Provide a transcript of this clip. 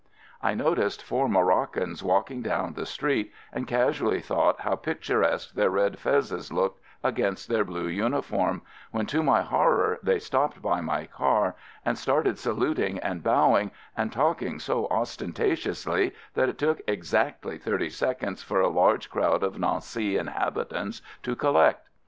I noticed four Moroccans walking down the street, and casually thought how pic turesque their red fezes looked against their blue uniform, when to my horror they stopped by my car and started salut ing and bowing and talking so ostenta tiously that it took exactly thirty seconds for a large crowd of Nancy inhabitants to collect.